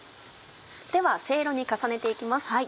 ではセイロに重ねて行きます。